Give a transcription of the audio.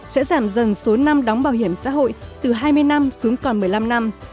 sẽ giảm dần số năm đóng bảo hiểm xã hội từ hai mươi năm xuống còn một mươi năm năm